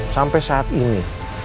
sampai saat ini